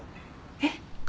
えっ？